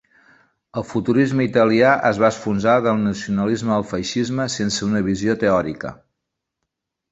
El futurisme italià es va enfonsar, del nacionalisme al feixisme, sense una visió teòrica.